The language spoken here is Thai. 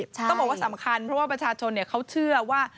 ต้องบอกว่าสำคัญเพราะว่าประชาชนเขาเชื่อว่า